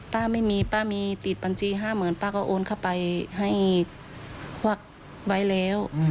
ป้าไม่มีป้ามีติดบัญชี๕๐๐๐ป้าก็โอนเข้าไปให้ควักไว้แล้ว